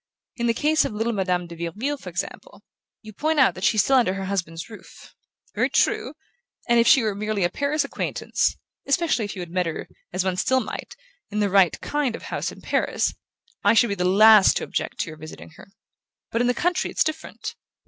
In the case of little Madame de Vireville, for instance: you point out that she's still under her husband's roof. Very true; and if she were merely a Paris acquaintance especially if you had met her, as one still might, in the RIGHT KIND of house in Paris I should be the last to object to your visiting her. But in the country it's different.